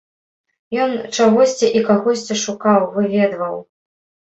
Ён чагосьці і кагосьці шукаў, выведваў.